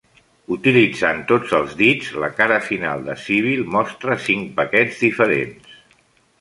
Utilitzant tots els dits, la cara final de Sybil mostra cinc paquets diferents.